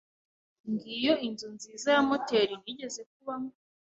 Ngiyo inzu nziza ya moteri nigeze kubamo.